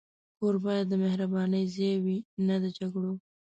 کور باید د مهربانۍ ځای وي، نه د جګړو.